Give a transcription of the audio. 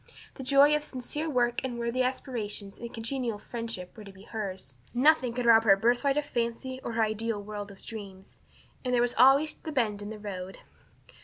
The joy of sincere work and worthy aspiration and congenial friendship were to be hers; nothing could rob her of her birthright of fancy or her ideal world of dreams. And there was always the bend in the road!